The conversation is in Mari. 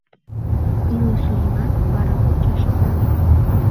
Илыш лийман вара кочо шоган?